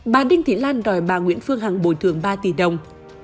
bà đinh thị lan đòi bà nguyễn phương hằng bồi thường ba tỷ đồng